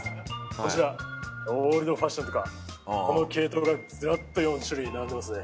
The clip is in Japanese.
こちらオールドファッションとかこの系統がずらっと４種類並んでますね。